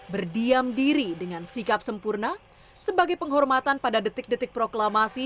berdiam diri dengan sikap sempurna sebagai penghormatan pada detik detik proklamasi